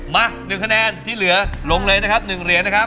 มา๑คะแนนที่เหลือลงเลยนะครับ๑เหรียญนะครับ